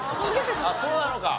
あっそうなのか。